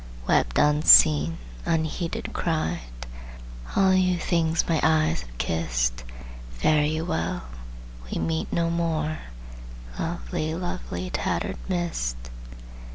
Wept unseen, unheeded cried, "All you things my eyes have kissed, Fare you well! We meet no more, Lovely, lovely tattered mist!